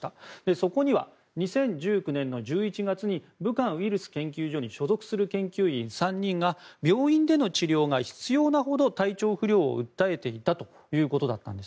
そこには２０１９年の１１月に武漢ウイルス研究所に所属する研究員３人が病院での治療が必要なほど体調不良を訴えていたということだったんです。